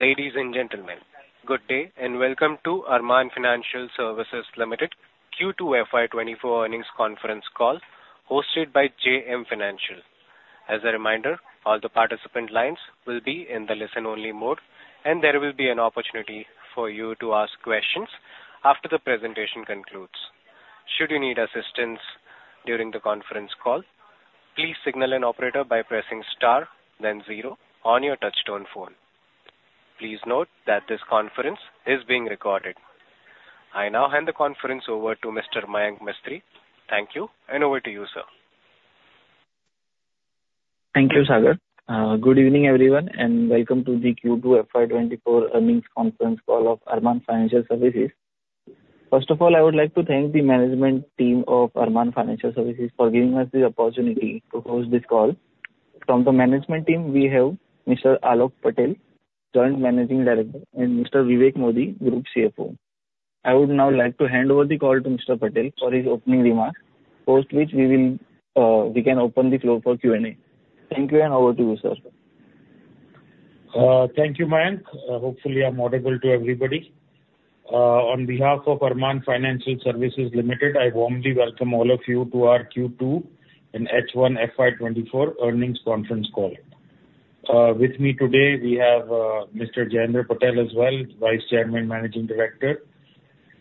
Ladies and gentlemen, good day, and welcome to Arman Financial Services Limited Q2 FY24 earnings conference call, hosted by JM Financial. As a reminder, all the participant lines will be in the listen-only mode, and there will be an opportunity for you to ask questions after the presentation concludes. Should you need assistance during the conference call, please signal an operator by pressing star, then zero on your touchtone phone. Please note that this conference is being recorded. I now hand the conference over to Mr. Mayank Mistry. Thank you, and over to you, sir. Thank you, Sagar. Good evening, everyone, and welcome to the Q2 FY 2024 earnings conference call of Arman Financial Services. First of all, I would like to thank the management team of Arman Financial Services for giving us the opportunity to host this call. From the management team, we have Mr. Aalok Patel, Joint Managing Director, and Mr. Vivek Modi, Group CFO. I would now like to hand over the call to Mr. Patel for his opening remarks, post which we will, we can open the floor for Q&A. Thank you, and over to you, sir. Thank you, Mayank. Hopefully, I'm audible to everybody. On behalf of Arman Financial Services Limited, I warmly welcome all of you to our Q2 and H1 FY 2024 earnings conference call. With me today, we have Mr. Jayendra Patel as well, Vice Chairman and Managing Director,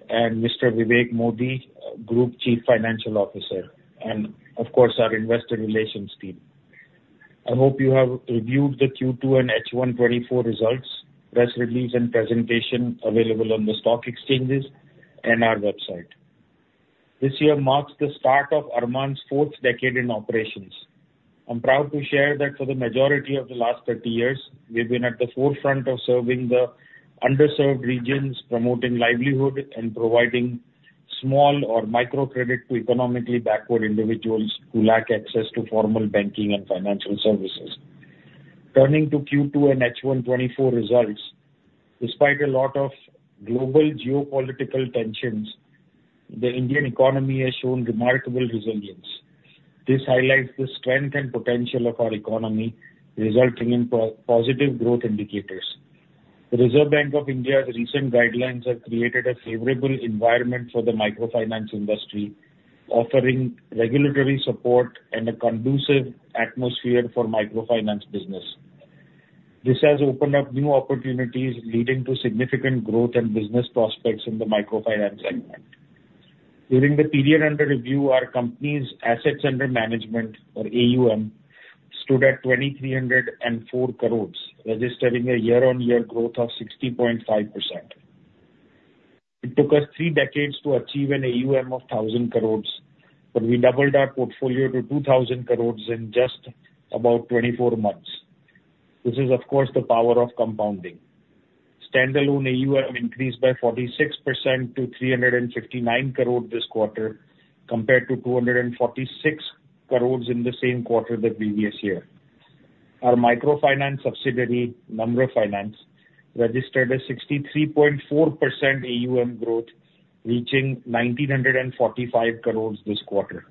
and Mr. Vivek Modi, Group Chief Financial Officer, and of course, our investor relations team. I hope you have reviewed the Q2 and H1 2024 results, press release, and presentation available on the stock exchanges and our website. This year marks the start of Arman's fourth decade in operations. I'm proud to share that for the majority of the last 30 years, we've been at the forefront of serving the underserved regions, promoting livelihood and providing small or microcredit to economically backward individuals who lack access to formal banking and financial services. Turning to Q2 and H1 2024 results, despite a lot of global geopolitical tensions, the Indian economy has shown remarkable resilience. This highlights the strength and potential of our economy, resulting in positive growth indicators. The Reserve Bank of India's recent guidelines have created a favorable environment for the microfinance industry, offering regulatory support and a conducive atmosphere for microfinance business. This has opened up new opportunities, leading to significant growth and business prospects in the microfinance segment. During the period under review, our company's assets under management, or AUM, stood at 2,304 crore, registering a year-on-year growth of 60.5%. It took us three decades to achieve an AUM of 1,000 crore, but we doubled our portfolio to 2,000 crore in just about 24 months. This is, of course, the power of compounding. Standalone AUM increased by 46% to 359 crore this quarter, compared to 246 crore in the same quarter the previous year. Our microfinance subsidiary, Namra Finance, registered a 63.4% AUM growth, reaching 1,945 crore this quarter.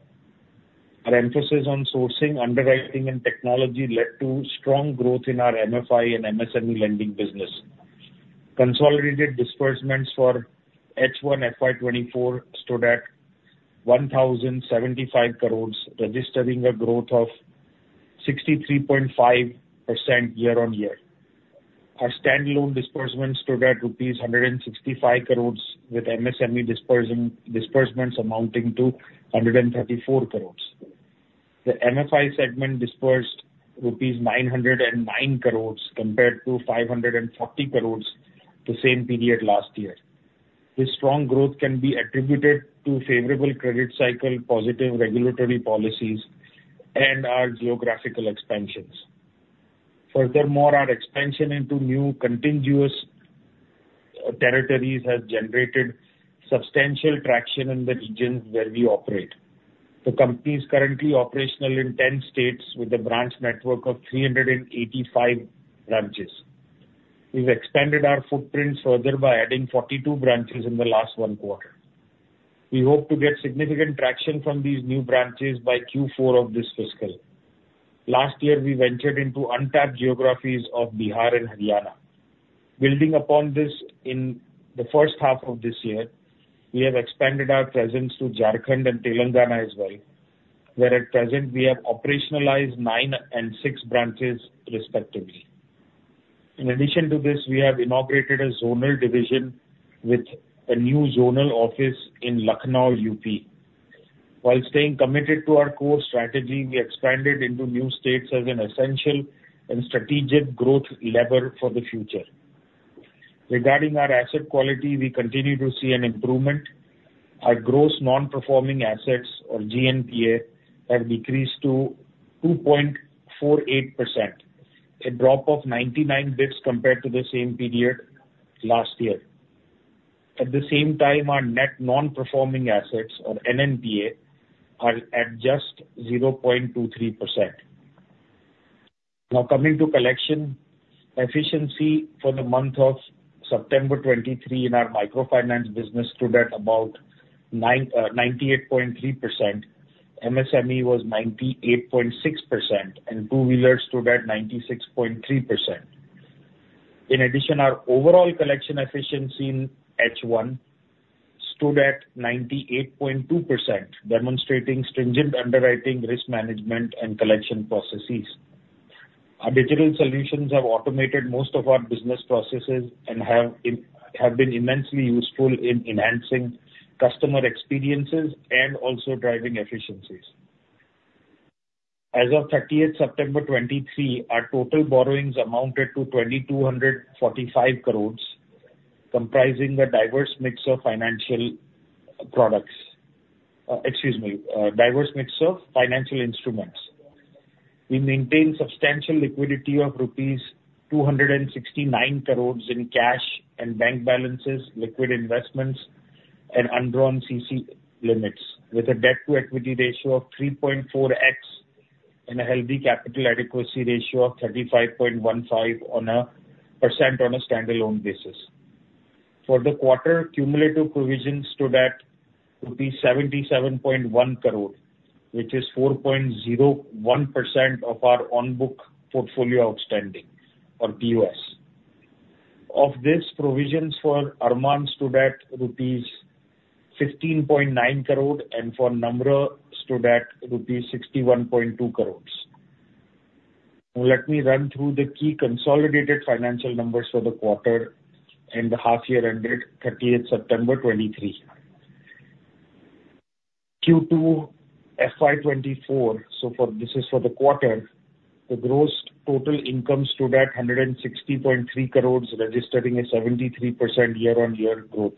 Our emphasis on sourcing, underwriting, and technology led to strong growth in our MFI and MSME lending business. Consolidated disbursements for H1 FY 2024 stood at 1,075 crore, registering a growth of 63.5% year-on-year. Our standalone disbursements stood at rupees 165 crore, with MSME disbursements amounting to 134 crore. The MFI segment disbursed rupees 909 crore compared to 540 crore the same period last year. This strong growth can be attributed to favorable credit cycle, positive regulatory policies, and our geographical expansions. Furthermore, our expansion into new contiguous territories has generated substantial traction in the regions where we operate. The company is currently operational in 10 states with a branch network of 385 branches. We've expanded our footprint further by adding 42 branches in the last one quarter. We hope to get significant traction from these new branches by Q4 of this fiscal. Last year, we ventured into untapped geographies of Bihar and Haryana. Building upon this, in the first half of this year, we have expanded our presence to Jharkhand and Telangana as well, where at present we have operationalized nine and six branches, respectively. In addition to this, we have inaugurated a zonal division with a new zonal office in Lucknow, UP. While staying committed to our core strategy, we expanded into new states as an essential and strategic growth lever for the future. Regarding our asset quality, we continue to see an improvement. Our gross non-performing assets, or GNPA, have decreased to 2.48%, a drop of ninety-nine basis points compared to the same period last year. At the same time, our net non-performing assets, or NNPA, are at just 0.23%. Now, coming to collection efficiency for the month of September 2023 in our microfinance business stood at about ninety-eight point three percent.... MSME was 98.6%, and two-wheelers stood at 96.3%. In addition, our overall collection efficiency in H1 stood at 98.2%, demonstrating stringent underwriting, risk management, and collection processes. Our digital solutions have automated most of our business processes and have been immensely useful in enhancing customer experiences and also driving efficiencies. As of thirtieth September 2023, our total borrowings amounted to 2,245 crore, comprising a diverse mix of financial products. Excuse me, a diverse mix of financial instruments. We maintain substantial liquidity of rupees 269 crore in cash and bank balances, liquid investments, and undrawn CC limits, with a debt-to-equity ratio of 3.4x and a healthy capital adequacy ratio of 35.15% on a standalone basis. For the quarter, cumulative provisions stood at rupees 77.1 crore, which is 4.01% of our on-book portfolio outstanding, or POS. Of this, provisions for Arman stood at rupees 15.9 crore, and for Namra stood at rupees 61.2 crore. Now, let me run through the key consolidated financial numbers for the quarter and the half year ended thirtieth September 2023. Q2 FY 2024, so for, this is for the quarter, the gross total income stood at 160.3 crore, registering a 73% year-on-year growth.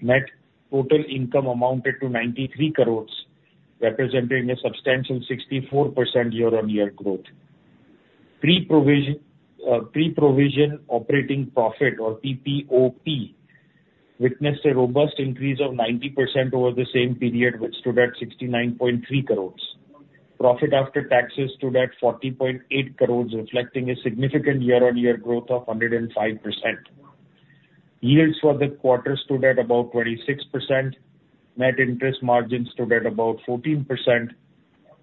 Net total income amounted to 93 crore, representing a substantial 64% year-on-year growth. Pre-provision, pre-provision operating profit, or PPOP, witnessed a robust increase of 90% over the same period, which stood at 69.3 crore. Profit after taxes stood at 40.8 crore, reflecting a significant year-on-year growth of 105%. Yields for the quarter stood at about 26%. Net interest margin stood at about 14%.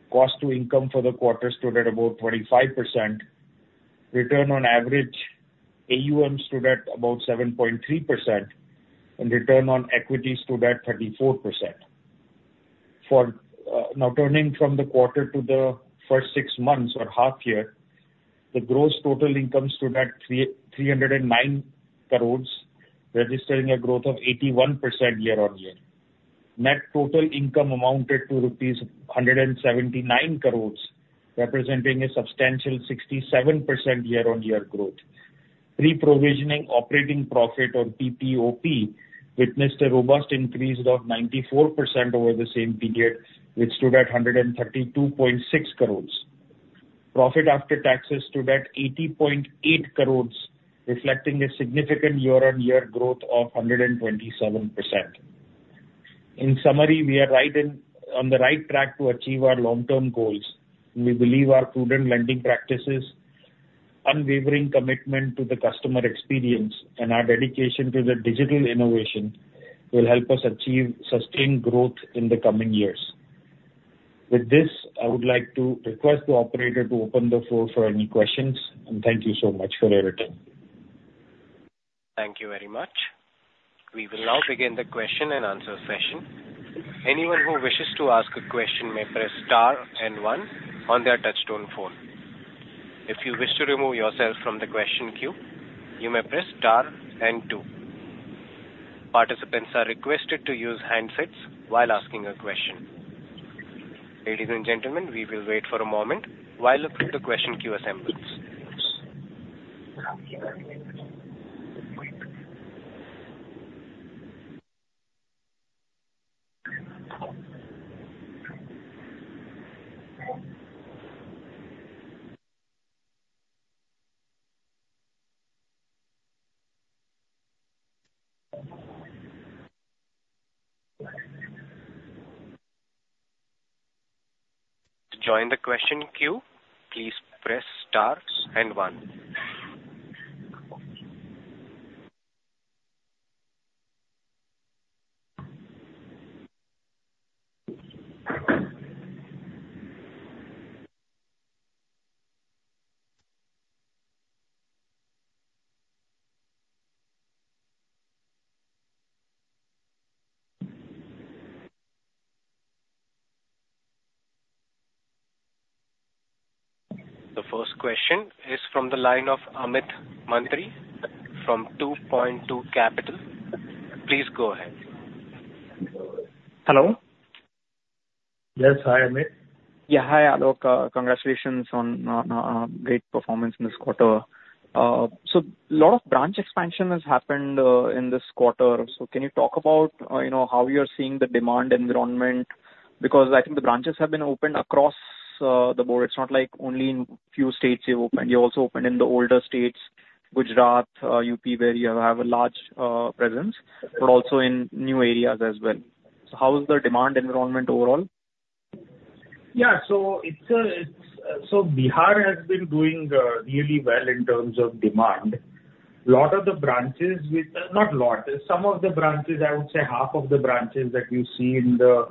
Cost to income for the quarter stood at about 25%. Return on average AUM stood at about 7.3%, and return on equity stood at 34%. For,... Now, turning from the quarter to the first six months or half year, the gross total income stood at 309 crore, registering a growth of 81% year-on-year. Net total income amounted to rupees 179 crore, representing a substantial 67% year-on-year growth. Pre-Provision Operating Profit, or PPOP, witnessed a robust increase of 94% over the same period, which stood at 132.6 crore. Profit after taxes stood at 80.8 crore, reflecting a significant year-on-year growth of 127%. In summary, we are right in, on the right track to achieve our long-term goals. We believe our prudent lending practices, unwavering commitment to the customer experience, and our dedication to the digital innovation will help us achieve sustained growth in the coming years. With this, I would like to request the operator to open the floor for any questions, and thank you so much for your attention. Thank you very much. We will now begin the question-and-answer session. Anyone who wishes to ask a question may press star and one on their touchtone phone. If you wish to remove yourself from the question queue, you may press star and two. Participants are requested to use handsets while asking a question. Ladies and gentlemen, we will wait for a moment while the question queue assembles. To join the question queue, please press stars and one. The first question is from the line of Amit Mantri from 2Point2 Capital. Please go ahead. Hello? Yes. Hi, Amit. Yeah, hi, Aalok. Congratulations on great performance this quarter. So lot of branch expansion has happened in this quarter. So can you talk about, you know, how you're seeing the demand environment? Because I think the branches have been opened across the board. It's not like only in few states you've opened. You also opened in the older states, Gujarat, UP, where you have a large presence, but also in new areas as well. So how is the demand environment overall?... Yeah, so it's, it's, so Bihar has been doing, really well in terms of demand. A lot of the branches with, not a lot, some of the branches, I would say half of the branches that you see in the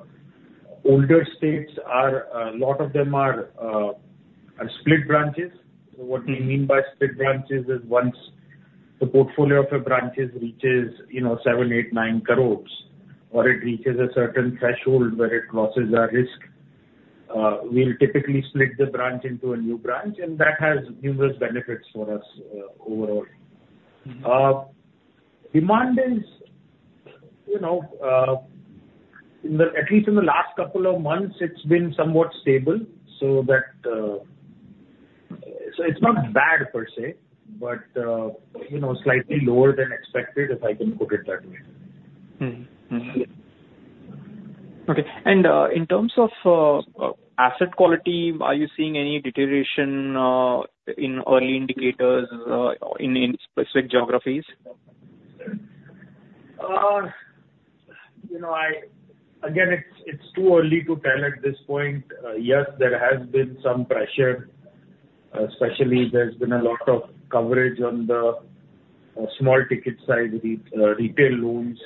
older states are, a lot of them are, are split branches. So what we mean by split branches is, once the portfolio of a branch reaches, you know, 7 crore, 8 crore, 9 crore, or it reaches a certain threshold where it crosses our risk, we'll typically split the branch into a new branch, and that has numerous benefits for us, overall. Demand is, you know, in the, at least in the last couple of months, it's been somewhat stable, so that, so it's not bad per se, but, you know, slightly lower than expected, if I can put it that way. Mm-hmm. Mm-hmm. Okay, and in terms of asset quality, are you seeing any deterioration in early indicators in specific geographies? You know, again, it's too early to tell at this point. Yes, there has been some pressure, especially there's been a lot of coverage on the small ticket side, retail loans.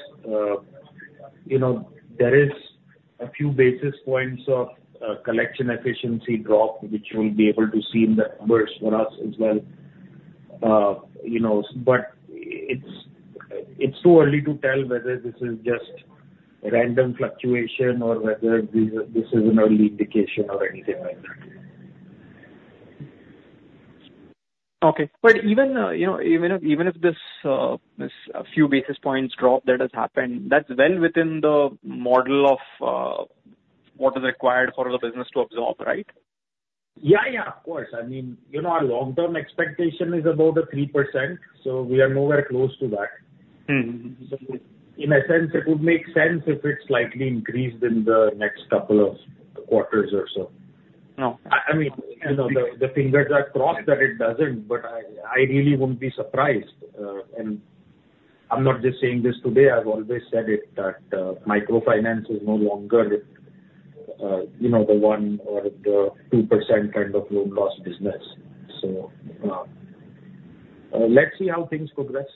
You know, there is a few basis points of collection efficiency drop, which we'll be able to see in the numbers for us as well. You know, but it's too early to tell whether this is just random fluctuation or whether this is an early indication or anything like that. Okay. But even, you know, even if, even if this, a few basis points drop that has happened, that's well within the model of, what is required for the business to absorb, right? Yeah, yeah, of course. I mean, you know, our long-term expectation is about a 3%, so we are nowhere close to that. Mm-hmm. So in a sense, it would make sense if it's slightly increased in the next couple of quarters or so. No- I mean, you know, the fingers are crossed that it doesn't, but I really wouldn't be surprised. And I'm not just saying this today, I've always said it, that microfinance is no longer, you know, the 1% or 2% kind of loan loss business. So, let's see how things progress.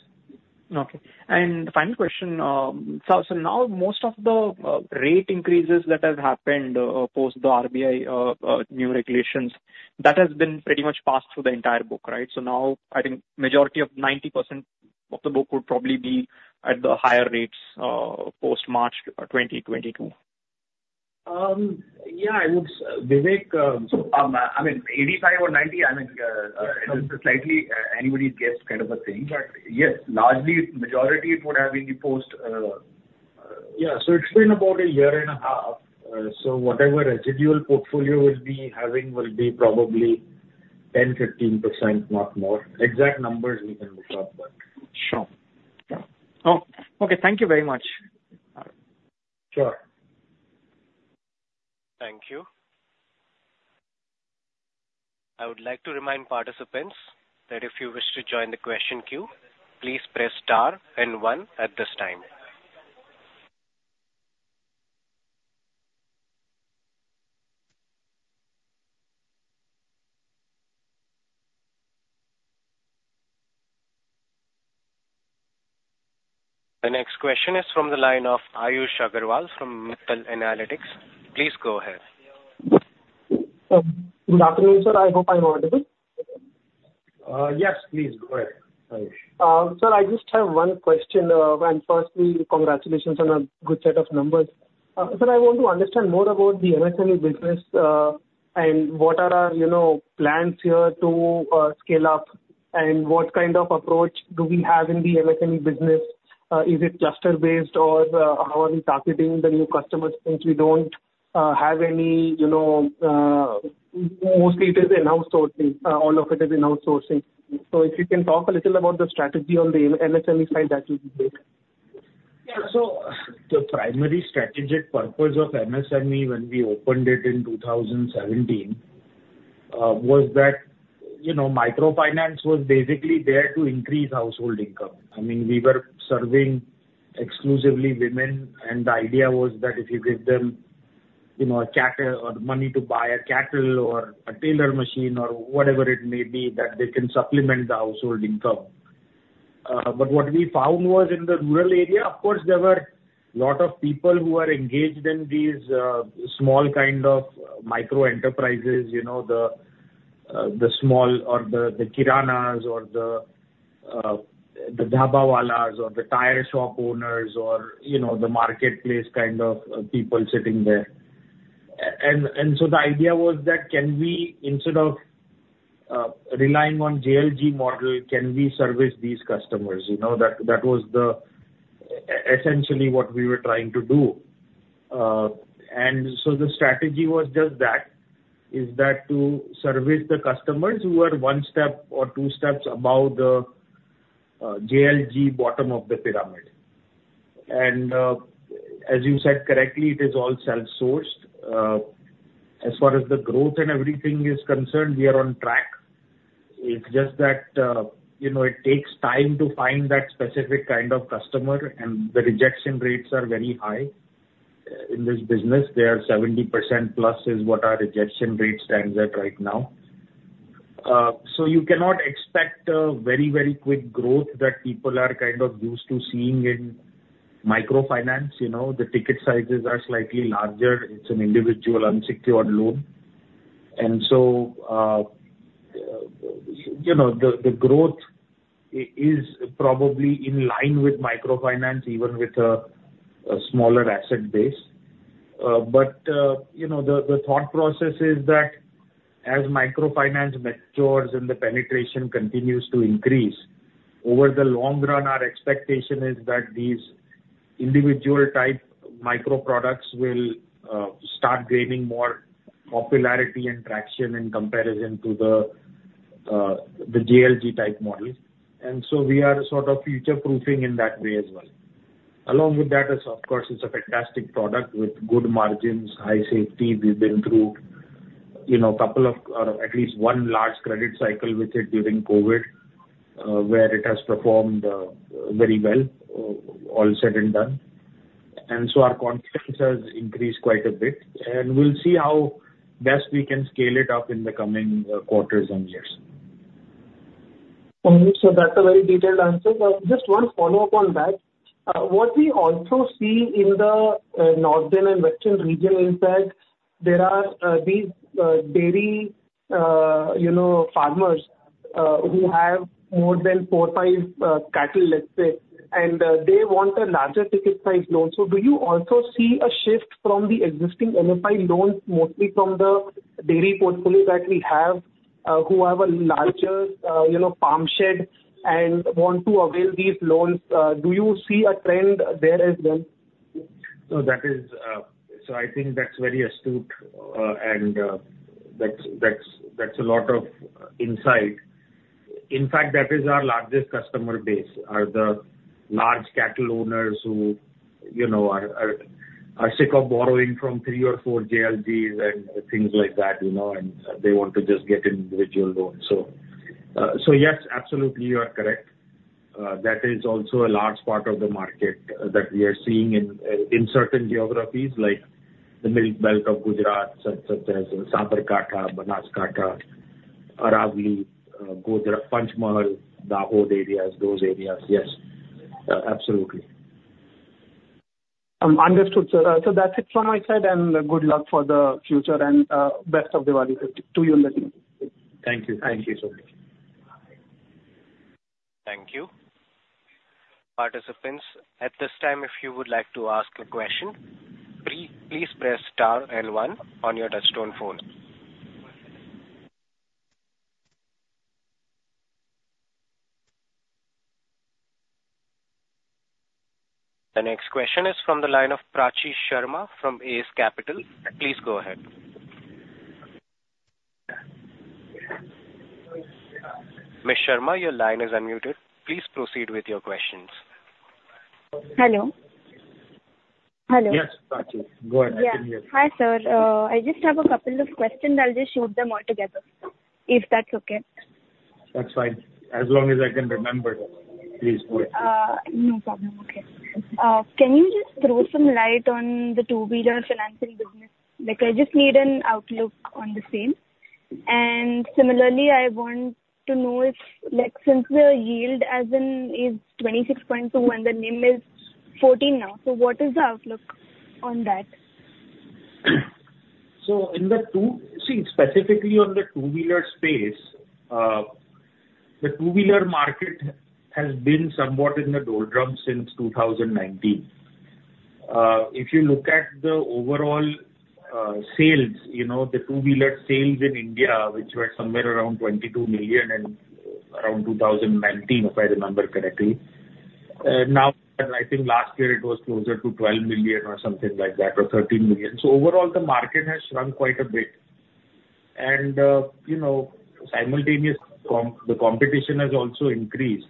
Okay. And final question, so now most of the rate increases that have happened post the RBI new regulations, that has been pretty much passed through the entire book, right? So now, I think majority of 90% of the book would probably be at the higher rates post-March 2022. Yeah, I would Vivek, I mean, 85 or 90, I mean, it is slightly anybody's guess kind of a thing. But yes, largely, majority it would have been the post... Yeah, so it's been about a year and a half. So whatever residual portfolio we'll be having will be probably 10% to 15%, not more. Exact numbers we can look up, but- Sure. Yeah. Oh, okay. Thank you very much. Sure. Thank you. I would like to remind participants that if you wish to join the question queue, please press star and one at this time. The next question is from the line of Ayush Agarwal from Mittal Analytics. Please go ahead. Good afternoon, sir. I hope I'm audible? Yes, please go ahead, Ayush. Sir, I just have one question. Firstly, congratulations on a good set of numbers. Sir, I want to understand more about the MSME business, and what are our, you know, plans here to scale up, and what kind of approach do we have in the MSME business? Is it cluster-based or how are we targeting the new customers, since we don't have any, you know... Mostly it is in-house sourcing, all of it is in-house sourcing. So if you can talk a little about the strategy on the MSME side, that will be great. Yeah. So the primary strategic purpose of MSME when we opened it in 2017 was that, you know, microfinance was basically there to increase household income. I mean, we were serving exclusively women, and the idea was that if you give them, you know, a cattle or money to buy a cattle or a tailor machine or whatever it may be, that they can supplement the household income. But what we found was in the rural area, of course, there were a lot of people who were engaged in these small kind of micro-enterprises, you know, the small or the kiranas or the dhaba walas or the tire shop owners or, you know, the marketplace kind of people sitting there. And so the idea was that can we, instead of relying on JLG model, service these customers? You know, that was essentially what we were trying to do. And so the strategy was just that, is that to service the customers who are one step or two steps above the JLG bottom of the pyramid. And as you said correctly, it is all self-sourced. As far as the growth and everything is concerned, we are on track. It's just that, you know, it takes time to find that specific kind of customer, and the rejection rates are very high. In this business, they are 70% plus is what our rejection rate stands at right now. So you cannot expect a very, very quick growth that people are kind of used to seeing in microfinance. You know, the ticket sizes are slightly larger. It's an individual unsecured loan. And so, you know, the growth is probably in line with microfinance, even with a smaller asset base. But, you know, the thought process is that as microfinance matures and the penetration continues to increase, over the long run, our expectation is that these individual-type micro products will start gaining more popularity and traction in comparison to the JLG-type model. And so we are sort of future-proofing in that way as well. Along with that, is of course, it's a fantastic product with good margins, high safety. We've been through, you know, a couple of, or at least one large credit cycle with it during COVID, where it has performed very well, all said and done. And so our confidence has increased quite a bit, and we'll see how best we can scale it up in the coming quarters and years. So that's a very detailed answer. But just one follow-up on that. What we also see in the northern and western region is that there are these dairy, you know, farmers who have more than 4, 5 cattle, let's say, and they want a larger ticket size loan. So do you also see a shift from the existing MFI loans, mostly from the dairy portfolio that we have, who have a larger, you know, farm shed and want to avail these loans? Do you see a trend there as well? No, that is, So I think that's very astute, and, that's a lot of insight. In fact, that is our largest customer base, are the large cattle owners who, you know, are sick of borrowing from three or four JLGs and things like that, you know, and they want to just get individual loans. So, yes, absolutely, you are correct. That is also a large part of the market, that we are seeing in certain geographies, like the Milk Belt of Gujarat, such as Sabarkantha, Banaskantha, Aravalli, Godhra, Panchmahal, Dahod areas, those areas. Yes, absolutely. Understood, sir. So that's it from my side, and good luck for the future and best of Diwali to you and the team. Thank you. Thank you so much. Thank you. Participants, at this time, if you would like to ask a question, please, please press star one on your touchtone phone. The next question is from the line of Prachi Sharma from ACE Capital. Please go ahead. Ms. Sharma, your line is unmuted. Please proceed with your questions. Hello? Hello. Yes, Prachi, go ahead. I can hear you. Yeah. Hi, sir. I just have a couple of questions. I'll just shoot them all together, if that's okay. That's fine, as long as I can remember them. Please, go ahead. No problem. Okay. Can you just throw some light on the two-wheeler financing business? Like, I just need an outlook on the same. And similarly, I want to know if, like, since the yield as in is 26.2 and the NIM is 14 now, so what is the outlook on that? So, specifically on the two-wheeler space, the two-wheeler market has been somewhat in the doldrums since 2019. If you look at the overall sales, you know, the two-wheeler sales in India, which were somewhere around 22 million in around 2019, if I remember correctly, now, I think last year it was closer to 12 million or something like that, or 13 million. So overall, the market has shrunk quite a bit. And, you know, the competition has also increased.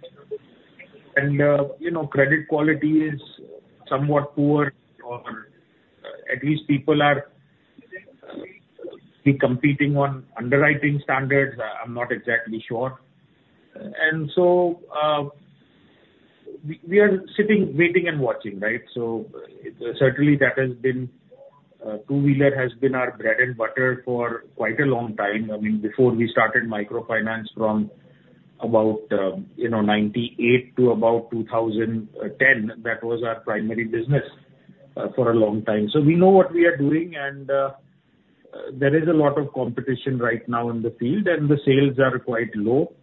And, you know, credit quality is somewhat poor, or at least people are competing on underwriting standards. I'm not exactly sure. And so, we are sitting, waiting and watching, right? So certainly, that has been, two-wheeler has been our bread and butter for quite a long time. I mean, before we started microfinance from about, you know, 98 to about 2010, that was our primary business, for a long time. So we know what we are doing, and, there is a lot of competition right now in the field, and the sales are quite low.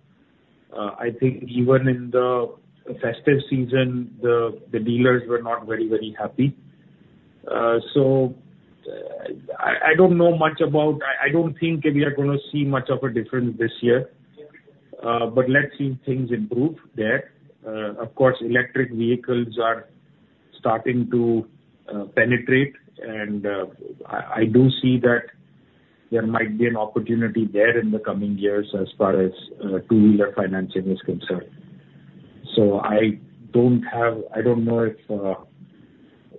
I think even in the festive season, the dealers were not very, very happy. So I don't know much about... I don't think we are gonna see much of a difference this year, but let's see if things improve there. Of course, electric vehicles are starting to penetrate, and, I do see that there might be an opportunity there in the coming years as far as, two-wheeler financing is concerned. So I don't know if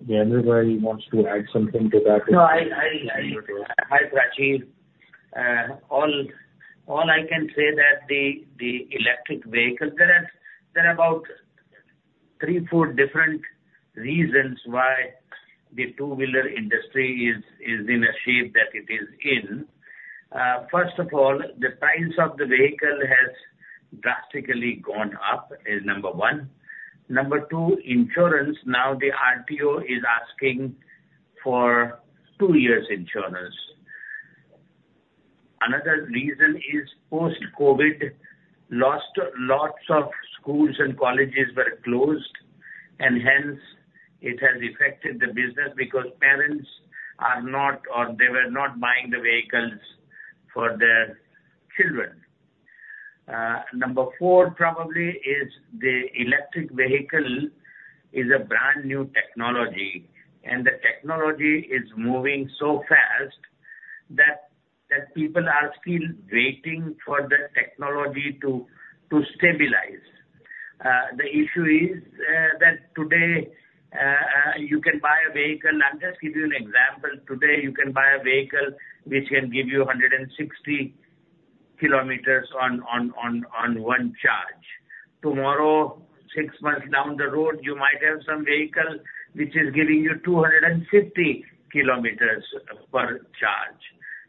anybody wants to add something to that? No, Hi, Prachi. All I can say that the electric vehicles, there are about three to four different reasons why the two-wheeler industry is in a shape that it is in. First of all, the price of the vehicle has drastically gone up, is number one. Number two, insurance. Now, the RTO is asking for two years insurance. Another reason is post-COVID, lots of schools and colleges were closed, and hence, it has affected the business because parents are not, or they were not buying the vehicles for their children. Number four probably is the electric vehicle is a brand new technology, and the technology is moving so fast that people are still waiting for the technology to stabilize. The issue is that today you can buy a vehicle... I'll just give you an example. Today you can buy a vehicle which can give you 160 km on one charge. Tomorrow, six months down the road, you might have some vehicle which is giving you 250 km per charge.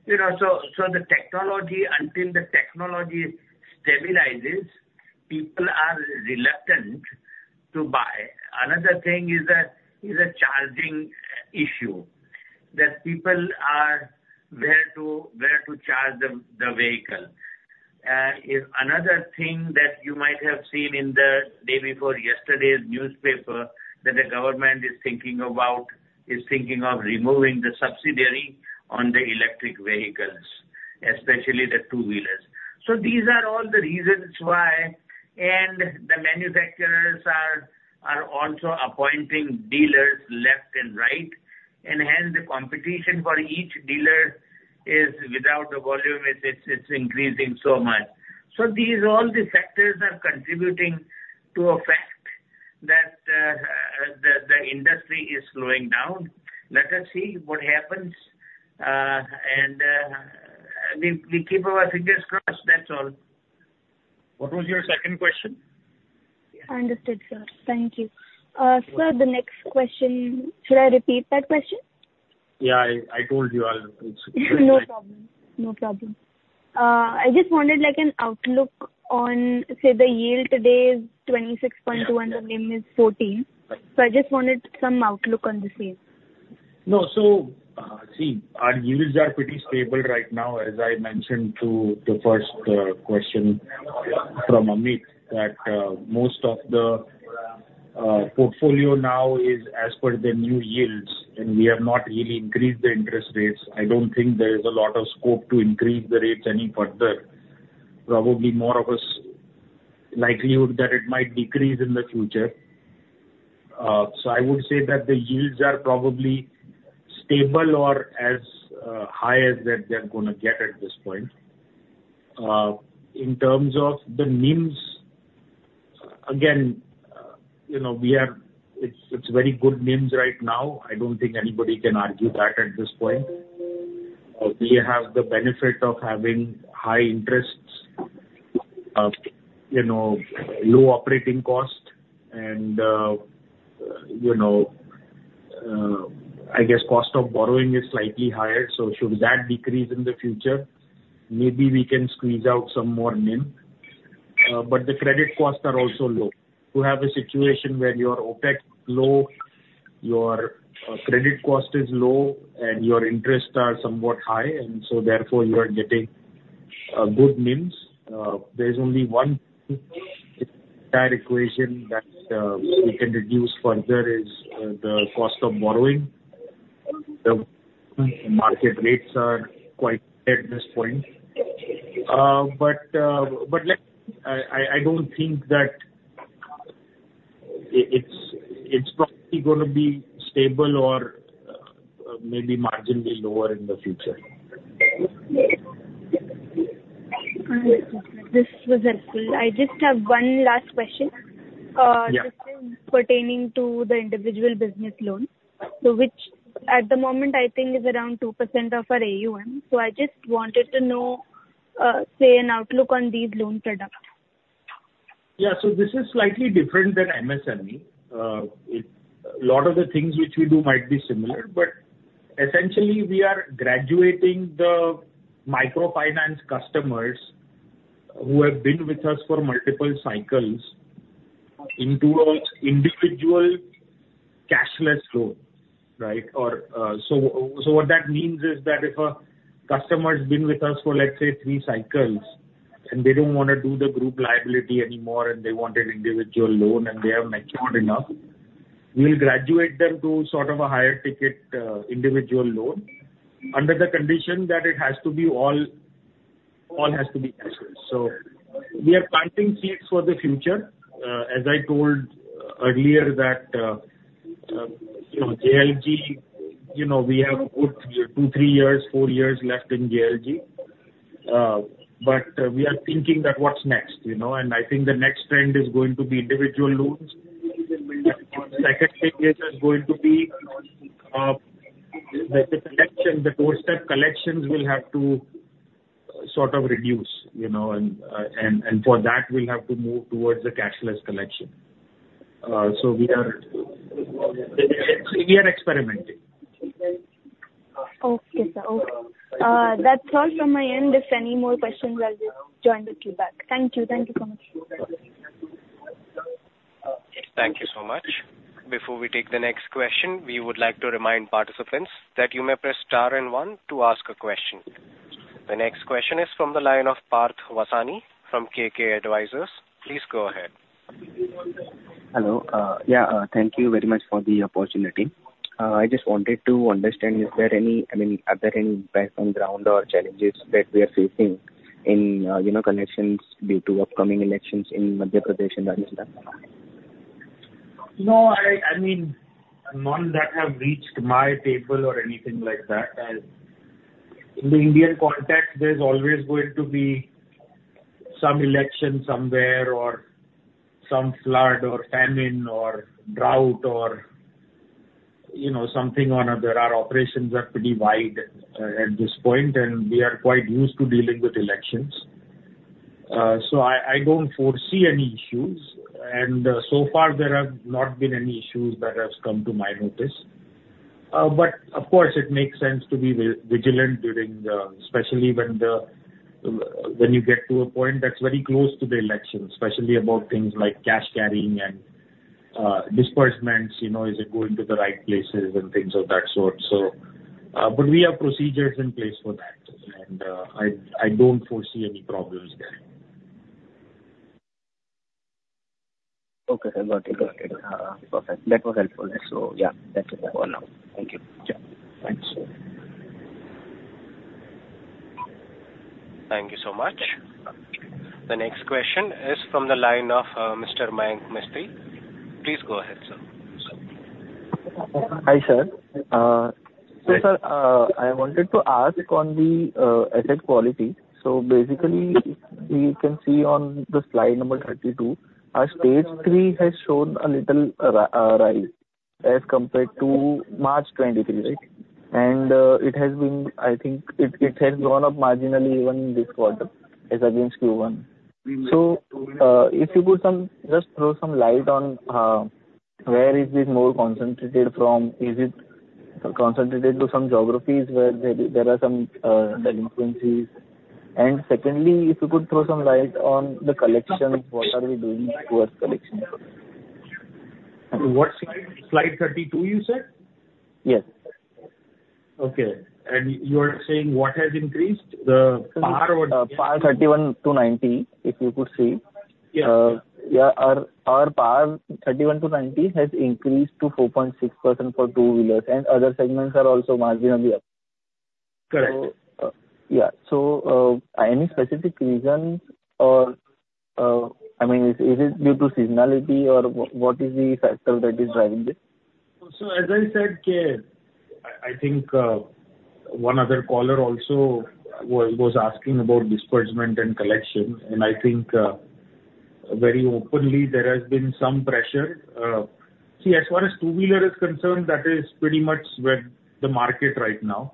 You know, so the technology, until the technology stabilizes, people are reluctant to buy. Another thing is a charging issue, that people are where to charge the vehicle. Is another thing that you might have seen in the day before yesterday's newspaper, that the government is thinking of removing the subsidy on the electric vehicles, especially the two-wheelers. So these are all the reasons why, and the manufacturers are also appointing dealers left and right, and hence, the competition for each dealer is without a volume. It's increasing so much. So these, all these factors are contributing to a fact that the industry is slowing down. Let us see what happens, and we keep our fingers crossed. That's all. What was your second question? I understood, sir. Thank you. Sir, the next question, should I repeat that question? Yeah, I told you I'll, it's- No problem. No problem. I just wanted, like, an outlook on, say, the yield today is 26.2, and the NIM is 14. So I just wanted some outlook on the same. No, so, see, our yields are pretty stable right now, as I mentioned to the first question from Amit, that most of the portfolio now is as per the new yields, and we have not really increased the interest rates. I don't think there is a lot of scope to increase the rates any further. Probably more of a likelihood that it might decrease in the future. So I would say that the yields are probably stable or as high as that they're gonna get at this point. In terms of the NIMS, again, you know, we are—it's very good NIMS right now. I don't think anybody can argue that at this point. We have the benefit of having high interests, you know, low operating cost and, I guess cost of borrowing is slightly higher, so should that decrease in the future, maybe we can squeeze out some more NIM. But the credit costs are also low. You have a situation where your OpEx low, your credit cost is low, and your interests are somewhat high, and so therefore, you are getting good NIMS. There's only one entire equation that we can reduce further is the cost of borrowing. The market rates are quite high at this point. But I don't think that it's probably gonna be stable or maybe marginally lower in the future. This was helpful. I just have one last question. Yeah. This is pertaining to the individual business loan, so which at the moment, I think is around 2% of our AUM. I just wanted to know, say, an outlook on these loan products. Yeah. So this is slightly different than MSME. A lot of the things which we do might be similar, but essentially, we are graduating the microfinance customers who have been with us for multiple cycles into individual cashless loan, right? Or, so what that means is that if a customer's been with us for, let's say, three cycles, and they don't want to do the group liability anymore, and they want an individual loan, and they have matured enough, we'll graduate them to sort of a higher ticket individual loan, under the condition that it has to be all has to be cashless. So we are planting seeds for the future. As I told earlier, you know, JLG, you know, we have good two, three years, four years left in JLG. But we are thinking that what's next, you know? And I think the next trend is going to be individual loans. Second thing is going to be the collection, the doorstep collections will have to sort of reduce, you know, and for that, we'll have to move towards the cashless collection. So we are experimenting. Okay, sir. Okay. That's all from my end. If any more questions, I'll just join with you back. Thank you. Thank you so much. Thank you so much. Before we take the next question, we would like to remind participants that you may press star and one to ask a question. The next question is from the line of Parth Vasani from KK Advisors. Please go ahead. Hello. Yeah, thank you very much for the opportunity. I just wanted to understand, is there any—I mean, are there any impact on ground or challenges that we are facing in, you know, collections due to upcoming elections in Madhya Pradesh and Rajasthan? No, I mean, none that have reached my table or anything like that. In the Indian context, there's always going to be some election somewhere or some flood, or famine, or drought or, you know, something on our... There are operations are pretty wide, at this point, and we are quite used to dealing with elections. So I don't foresee any issues, and so far there have not been any issues that has come to my notice. But of course, it makes sense to be vigilant during the... especially when the, when you get to a point that's very close to the election. Especially about things like cash carrying and, disbursements, you know, is it going to the right places and things of that sort, so. But we have procedures in place for that, and I don't foresee any problems there. Okay, sir. Got it. Got it. Perfect. That was helpful. So, yeah, that's it for now. Thank you. Yeah. Thanks. Thank you so much. The next question is from the line of Mr. Mayank Mistry. Please go ahead, sir. Hi, sir. Yes. So, sir, I wanted to ask on the asset quality. So basically, we can see on the slide number 32, our stage three has shown a little rise as compared to March 2023, right? And it has been. I think it has gone up marginally even this quarter, as against Q1. So, if you could just throw some light on where is this more concentrated from? Is it concentrated to some geographies where there are some delinquencies? And secondly, if you could throw some light on the collection, what are we doing towards collection? What slide? Slide 32, you said? Yes. Okay. And you are saying, what has increased? The PAR or- PAR 31-90, if you could see. Yes. Yeah, our PAR 31-90 has increased to 4.6% for two-wheelers, and other segments are also marginally up. Correct. So, yeah. So, any specific reasons or, I mean, is it due to seasonality or what is the factor that is driving this? So, as I said, Kay, I think one other caller also was asking about disbursement and collection, and I think very openly, there has been some pressure. See, as far as two-wheeler is concerned, that is pretty much where the market right now,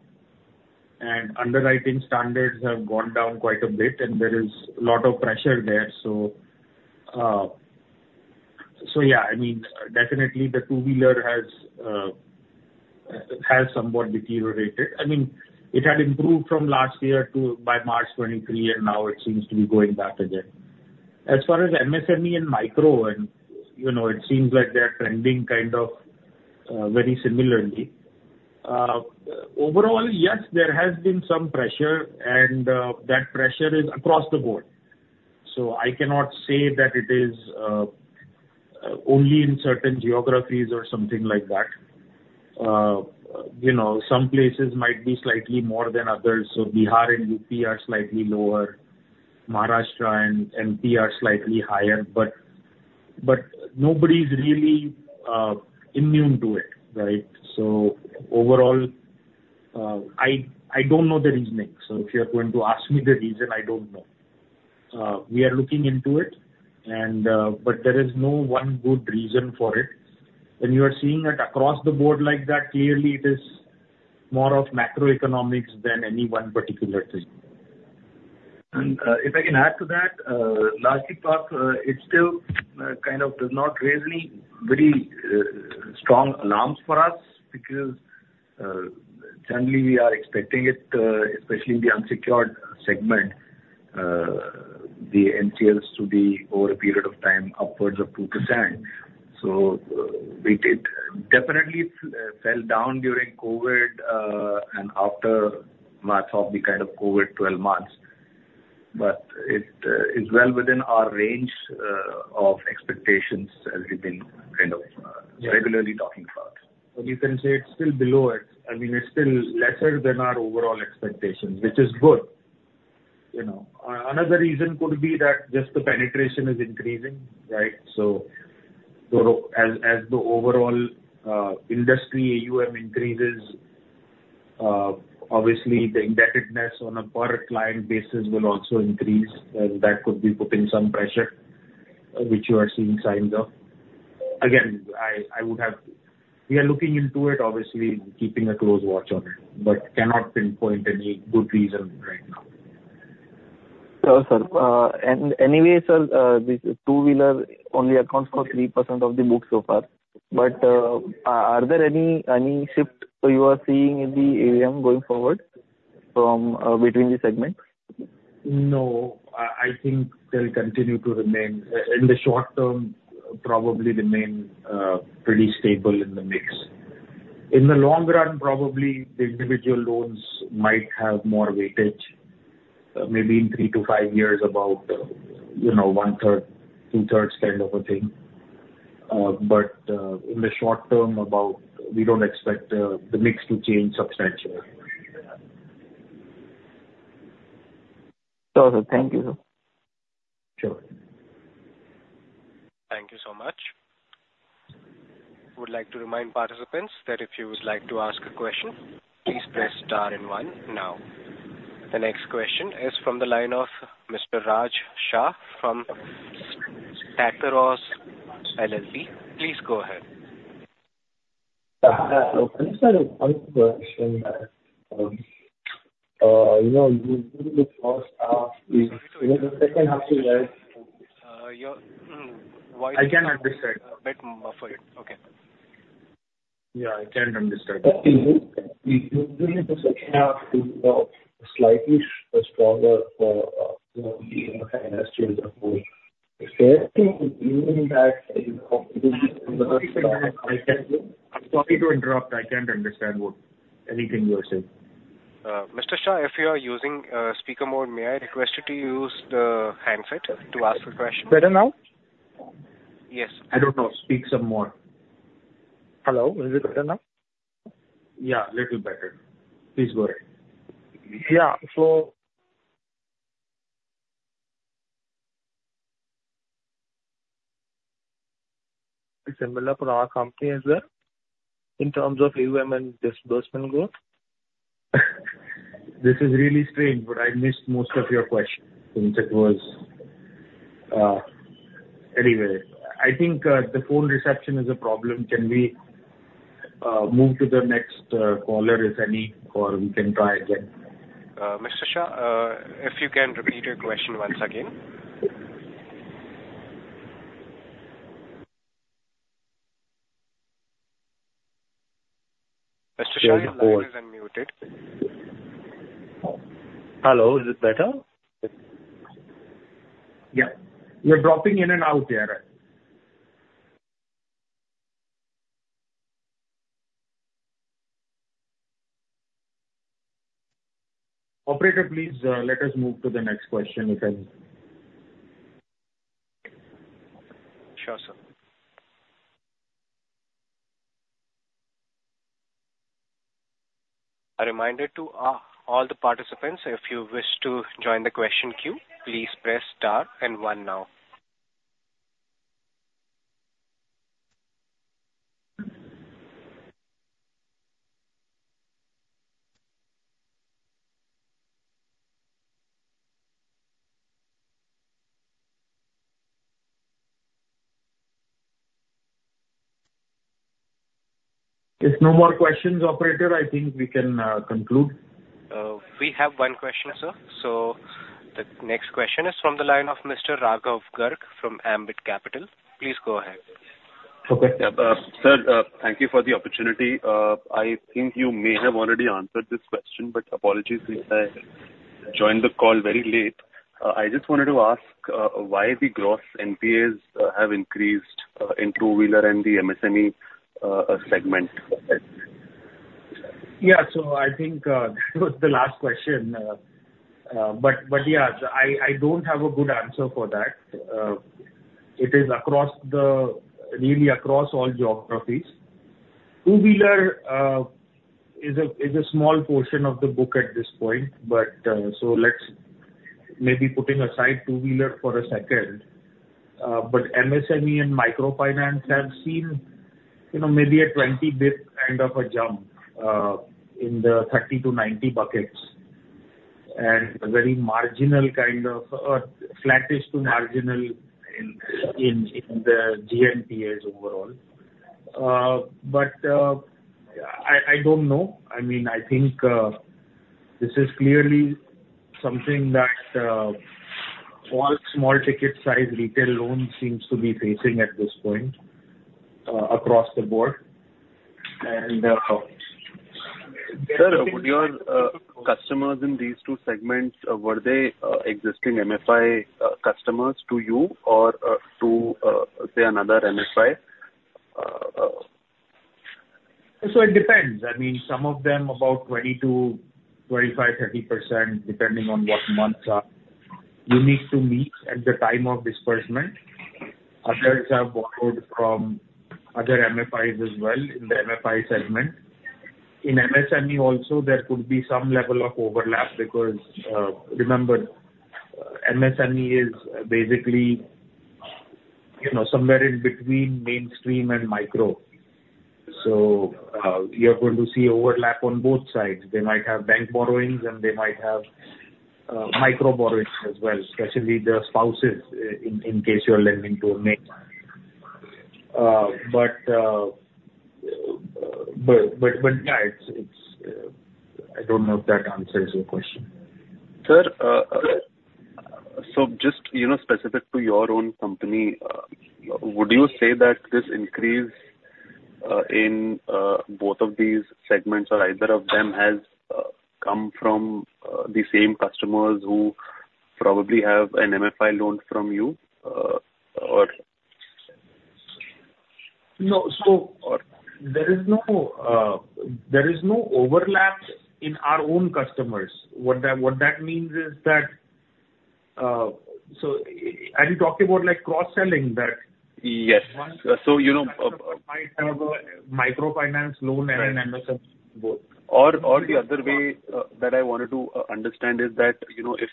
and underwriting standards have gone down quite a bit, and there is a lot of pressure there. So, yeah, I mean, definitely the two-wheeler has somewhat deteriorated. I mean, it had improved from last year to by March 2023, and now it seems to be going back again. As far as MSME and micro, and, you know, it seems like they're trending kind of very similarly. Overall, yes, there has been some pressure, and that pressure is across the board. So I cannot say that it is only in certain geographies or something like that. You know, some places might be slightly more than others, so Bihar and UP are slightly lower, Maharashtra and MP are slightly higher, but nobody's really immune to it, right? So overall, I don't know the reasoning. So if you're going to ask me the reason, I don't know. We are looking into it, and, but there is no one good reason for it. When you are seeing it across the board like that, clearly it is more of macroeconomics than any one particular thing. If I can add to that, largely Parth, it still kind of does not raise any very strong alarms for us, because generally we are expecting it, especially in the unsecured segment, the NCLs to be over a period of time, upwards of 2%. So, we did... Definitely fell down during COVID, and after March of the kind of COVID, 12 months. But it is well within our range of expectations, as we've been kind of- Yeah... regularly talking about. But you can say it's still below it. I mean, it's still lesser than our overall expectations, which is good, you know. Another reason could be that just the penetration is increasing, right? So as the overall industry AUM increases, obviously, the indebtedness on a per client basis will also increase, and that could be putting some pressure, which you are seeing signs of. Again, we are looking into it, obviously keeping a close watch on it, but cannot pinpoint any good reason right now. Sure, sir. And anyway, sir, this two-wheeler only accounts for 3% of the book so far. But, are there any shift you are seeing in the AUM going forward from between the segments? No, I, I think they'll continue to remain, in the short term, probably remain, pretty stable in the mix. In the long run, probably the individual loans might have more weightage, maybe in three to five years about, you know, 1/3, 2/3 kind of a thing. But, in the short term, about we don't expect, the mix to change substantially. Sure, sir. Thank you, sir. Sure. Thank you so much. Would like to remind participants that if you would like to ask a question, please press star and one now. The next question is from the line of Mr. Raj Shah from Tucker Ross LLC. Please go ahead. Hello. You know, you in the first half, the second half of the year- Mm-hmm. I can't understand. Bit muffle. Okay. Yeah, I can't understand.... Slightly stronger for, you know, the industry as a whole. Is there anything that, you know, Sorry to interrupt. I can't understand what anything you are saying. Mr. Shah, if you are using speaker mode, may I request you to use the handset to ask the question? Better now? Yes. I don't know. Speak some more. Hello, is it better now? Yeah, little better. Please go ahead. Yeah. So... It's similar for our company as well, in terms of AUM and disbursement growth. This is really strange, but I missed most of your question since it was... Anyway, I think the phone reception is a problem. Can we move to the next caller, if any, or we can try again? Mr. Shah, if you can repeat your question once again. Mr. Shah, your line is unmuted. Hello, is it better? Yeah. You're dropping in and out there. Operator, please, let us move to the next question, if any. Sure, sir. A reminder to all the participants, if you wish to join the question queue, please press star and one now. If no more questions, operator, I think we can conclude. We have one question, sir. The next question is from the line of Mr. Raghav Garg from Ambit Capital. Please go ahead. Okay. Sir, thank you for the opportunity. I think you may have already answered this question, but apologies if I joined the call very late. I just wanted to ask, why the gross NPAs have increased in two-wheeler and the MSME segment? Yeah. So I think that was the last question. But yeah, I don't have a good answer for that. It is across the... really across all geographies. Two-Wheeler is a small portion of the book at this point, but so let's maybe putting aside Two-Wheeler for a second, but MSME and microfinance have seen, you know, maybe a 20 bp kind of a jump in the 30-90 buckets, and a very marginal kind of flattish to marginal in the GNPA's overall. But I don't know. I mean, I think this is clearly something that all small ticket size retail loans seems to be facing at this point across the board. And Sir, would your customers in these two segments were they existing MFI customers to you or to say another MFI? So it depends. I mean, some of them, about 20% to 25%, 30%, depending on what months are you need to meet at the time of disbursement. Others have borrowed from other MFIs as well, in the MFI segment. In MSME also, there could be some level of overlap, because MSME is basically, you know, somewhere in between mainstream and micro. So, you're going to see overlap on both sides. They might have bank borrowings, and they might have, micro borrowings as well, especially the spouses, in case you are lending to a male. But, yeah, it's, I don't know if that answers your question. Sir, so just, you know, specific to your own company, would you say that this increase in both of these segments or either of them has come from the same customers who probably have an MFI loan from you, or? No. So- Or- There is no, there is no overlap in our own customers. What that, what that means is that... So are you talking about, like, cross-selling that? Yes. So, you know, Microfinance loan and MSME, both. Or, the other way, that I wanted to understand is that, you know, if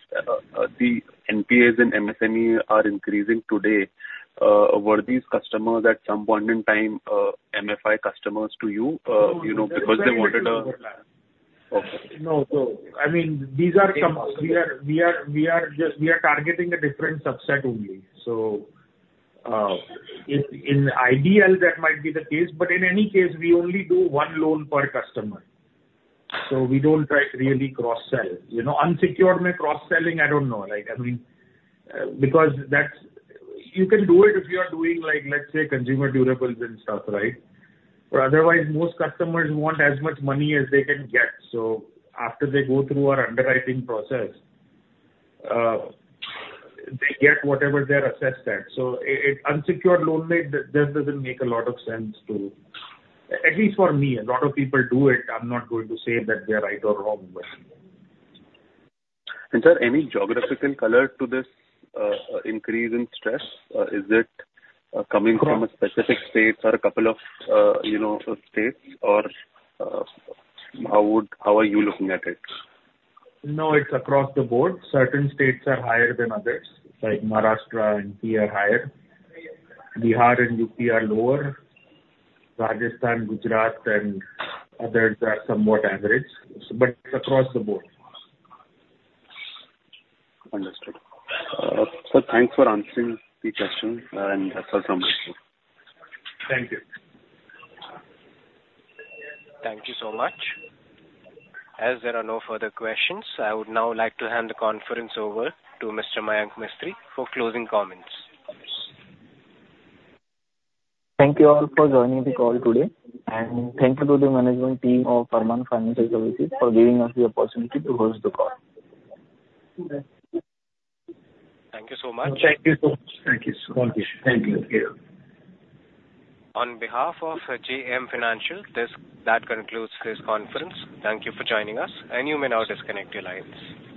the NPAs in MSME are increasing today, were these customers at some point in time MFI customers to you? You know, because they wanted a- No, no. Okay. No. So, I mean, these are some- Customers. We are just targeting a different subset only. So, in ideal, that might be the case, but in any case, we only do one loan per customer. So we don't try to really cross-sell. You know, unsecured cross-selling, I don't know, like, I mean, because that's... You can do it if you are doing, like, let's say, consumer durables and stuff, right? But otherwise, most customers want as much money as they can get. So after they go through our underwriting process, they get whatever they're assessed at. So it, unsecured loan make just doesn't make a lot of sense to, at least for me. A lot of people do it. I'm not going to say that they're right or wrong, but. And, sir, any geographical color to this increase in stress? Is it coming from- Across. A specific states or a couple of, you know, states, or, how would... How are you looking at it? No, it's across the board. Certain states are higher than others, like Maharashtra and TN are higher. Bihar and UP are lower. Rajasthan, Gujarat, and others are somewhat average, but it's across the board. Understood. So thanks for answering the question, and that's all from my side. Thank you. Thank you so much. As there are no further questions, I would now like to hand the conference over to Mr. Mayank Mistry for closing comments. Thank you all for joining the call today, and thank you to the management team of Arman Financial Services for giving us the opportunity to host the call. Thank you. Thank you so much. Thank you so much. Thank you so much. Thank you. See you. On behalf of JM Financial, that concludes this conference. Thank you for joining us, and you may now disconnect your lines.